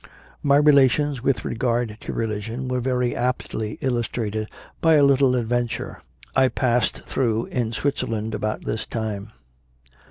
My relations with regard to religion are very aptly illustrated by a little adventure I passed through in Switzerland about this time.